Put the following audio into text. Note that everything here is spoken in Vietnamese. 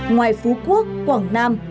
ngoài phú quốc quảng nam